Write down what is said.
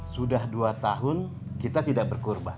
sudah dua tahun kita tidak berkurban